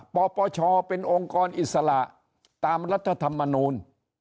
ปปชเป็นองค์กรอิสระตามรัฐธรรมนูล